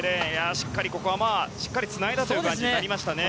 しっかりここはつないだという感じになりました。